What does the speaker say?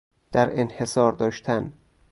در انحصار داشتن